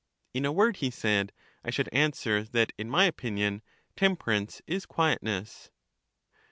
In a word, he said, I should answer that, in my opinion, temperance is quietness.